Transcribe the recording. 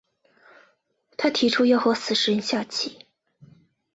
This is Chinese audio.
他提出要和死神下棋。